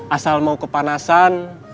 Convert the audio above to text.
asal mau kepanasan